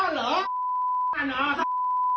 นั่นหรอ